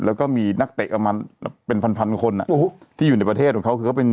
แล้วก็มีนักเตะประมาณเป็นพันพันคนอ่ะโอ้โหที่อยู่ในประเทศของเขาคือเขาเป็น